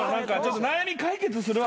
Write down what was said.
悩み解決するわ。